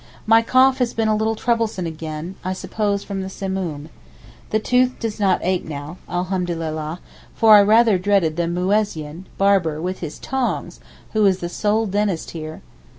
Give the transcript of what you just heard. My cough has been a little troublesome again, I suppose from the Simoom. The tooth does not ache now. Alhamdulillah! for I rather dreaded the muzeyinn (barber) with his tongs, who is the sole dentist here.